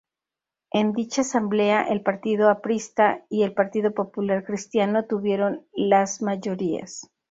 En dicha asamblea, el Partido Aprista y el Partido Popular Cristiano tuvieron las mayorías.